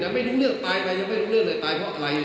มันไม่รู้เรื่องตายกันไม่รู้เรื่องตายเพราะใคร